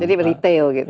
jadi retail gitu